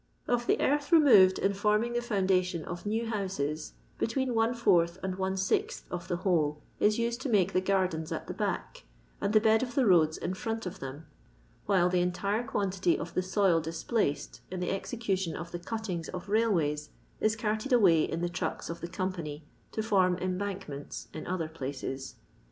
Of the earth removed in forming the founda tion of new houses, between one fourth and one sixth of the whole is used to make the gardens at the back, and the bed of the roads in front of them, while the entire quantity of the soil dis placed in the execution of the "cuttings" of rail ways is carted away in the trucks of the company to form embankments in other places.